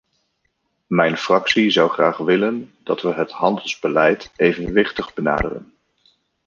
Mijn fractie zou graag willen dat we het handelsbeleid evenwichtig benaderen.